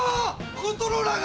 コントローラーが！